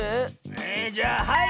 えじゃあはい！